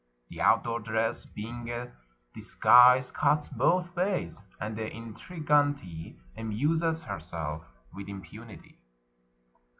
The outdoor dress, being a dis 411 PERSIA guise, cuts both ways; and the intrigante amuses herself with impunity.